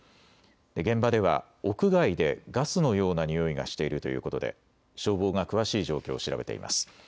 現場では屋外でガスのようなにおいがしているということで消防が詳しい状況を調べています。